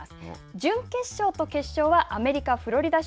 準決勝と決勝はアメリカ・フロリダ州